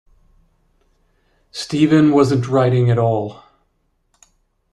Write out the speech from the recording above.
Steven wasn't writing at all.